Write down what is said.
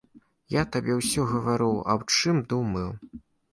Я табе ўсё гавару, аб чым думаю.